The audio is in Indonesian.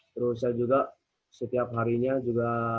terus saya juga setiap harinya juga